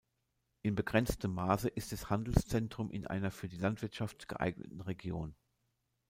In begrenztem Maße ist es Handelszentrum in einer für die Landwirtschaft geeigneten Region.